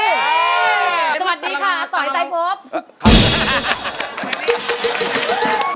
สวัสดีค่ะต่อยไตพบ